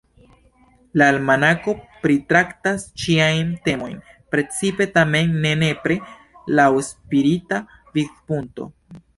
La Almanako pritraktas ĉiajn temojn, precipe, tamen ne nepre, laŭ spirita vidpunkto.